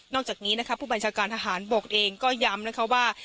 จากนี้นะคะผู้บัญชาการทหารบกเองก็ย้ำนะคะว่า